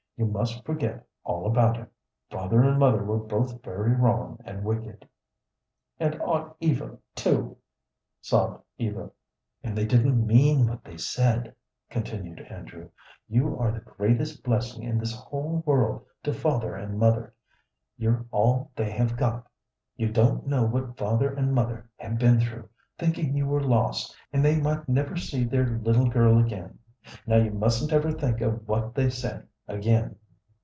"You must forget all about it. Father and mother were both very wrong and wicked " "And Aunt Eva, too," sobbed Eva. "And they didn't mean what they said," continued Andrew. "You are the greatest blessing in this whole world to father and mother; you're all they have got. You don't know what father and mother have been through, thinking you were lost and they might never see their little girl again. Now you mustn't ever think of what they said again."